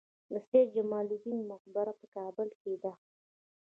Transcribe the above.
د سید جمال الدین مقبره په کابل کې ده